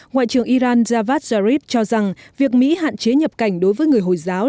ngoại trưởng iran javad zarif cho rằng việc mỹ hạn chế nhập cảnh đối với người hồi giáo